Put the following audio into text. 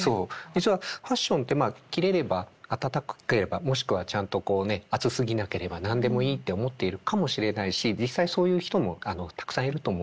実はファッションってまあ着れれば暖かければもしくはちゃんとこうね暑すぎなければ何でもいいって思っているかもしれないし実際そういう人もたくさんいると思うんです。